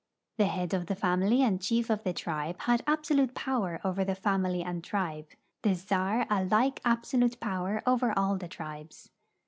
The head of the family and chief of th^ tribe had absolute power over the family and tribe ; the czar a like absolute power over all the tribes.